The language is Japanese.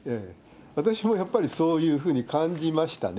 私もやっぱり、そういうふうに感じましたね。